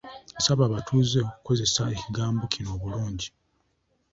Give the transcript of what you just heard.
Yasaba abatuuze okukozesa ekigo kino obulungi.